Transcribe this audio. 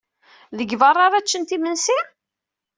Deg beṛṛa ara ččent imensi?